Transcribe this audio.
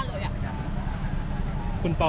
ไม่ใช่นี่คือบ้านของคนที่เคยดื่มอยู่หรือเปล่า